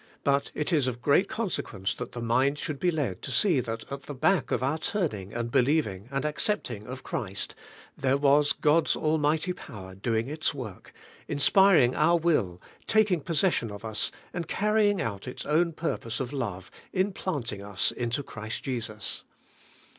But it is of great consequence that the mind should be led to see that at the back of our turning, and believing, and accepting of Christ, there was God's almighty power doing its work, — inspiring our will, taking possession of us, and carrying out its own purpose of love in planting us into Christ Jesus.